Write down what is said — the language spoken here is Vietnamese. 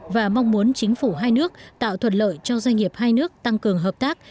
và mong muốn chính phủ hai nước tạo thuận lợi cho doanh nghiệp hai nước tăng cường hợp tác